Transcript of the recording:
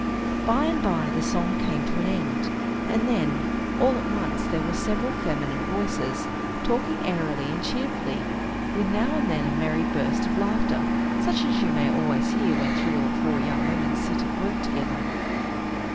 By and by, the song came to an end; and then, all at once, there were several feminine voices, talking airily and cheerfully, with now and then a merry burst of laughter, such as you may always hear when three or four young women sit at work together.